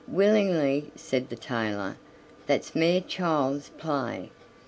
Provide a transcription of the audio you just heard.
"Willingly," said the tailor; "that's mere child's play."